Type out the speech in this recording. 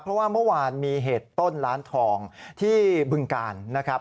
เพราะว่าเมื่อวานมีเหตุต้นล้านทองที่บึงกาลนะครับ